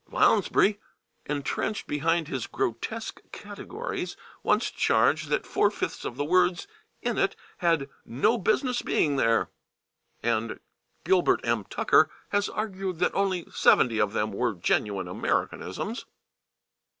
Lounsbury, entrenched behind his grotesque categories, once charged that four fifths of the words in it had "no business to be there," and [Pg040] Gilbert M. Tucker has argued that only 70 of them were genuine Americanisms.